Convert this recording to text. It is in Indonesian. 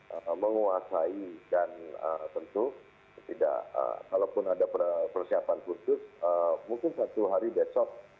jadi saya menguasai dan tentu tidak kalaupun ada persiapan khusus mungkin satu hari besok